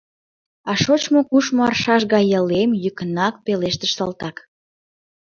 О шочмо-кушмо аршаш гай ялем! — йӱкынак пелештыш салтак.